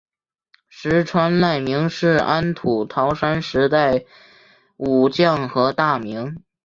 石川赖明是安土桃山时代武将和大名。